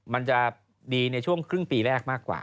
มันจะดีในช่วงครึ่งปีแรกมากกว่า